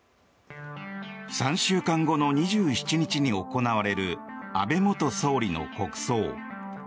３週間後の２７日に行われる安倍元総理の国葬。